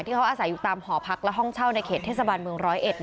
ที่เขาอาศัยอยู่ตามหอพักและห้องเช่าในเขตเทศบาลเมืองร้อยเอ็ด